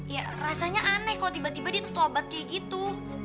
ya rasanya aneh kok tiba tiba ditutup obat kayak gitu